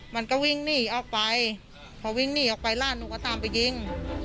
มันก็วิ่งหนีออกไปพอวิ่งหนีออกไปร้านหนูก็ตามไปยิง